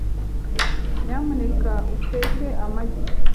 Nyamuneka uteke amagi .